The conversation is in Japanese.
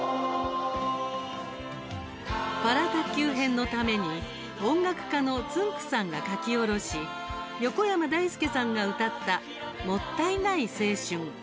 パラ卓球編のために音楽家のつんく♂さんが書き下ろし横山だいすけさんが歌った「もったいない青春」。